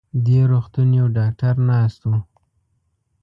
دې روغتون يو ډاکټر ناست و.